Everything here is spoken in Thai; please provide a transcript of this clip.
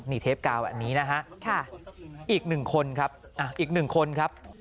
นี่เทปการ์ดอันนี้นะฮะอีกหนึ่งคนครับ